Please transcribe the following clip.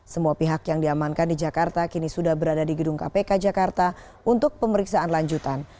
semua pihak yang diamankan di jakarta kini sudah berada di gedung kpk jakarta untuk pemeriksaan lanjutan